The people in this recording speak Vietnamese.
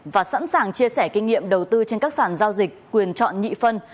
và sẵn sàng chia sẻ kinh nghiệm đầu tư trên các sản giao dịch quyền chọn nhị phân